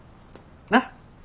なっ。